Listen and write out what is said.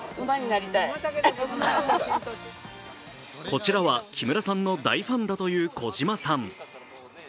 こちらは木村さんの大ファンだという児嶋さん。